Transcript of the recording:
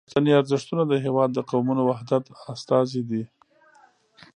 پښتني ارزښتونه د هیواد د قومونو وحدت استازي دي.